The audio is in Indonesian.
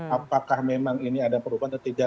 apakah memang ini ada perubahan atau tidak